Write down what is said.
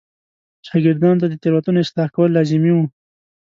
شاګردانو ته د تېروتنو اصلاح کول لازمي و.